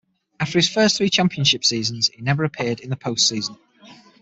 After his first three championship seasons, he never appeared in the postseason.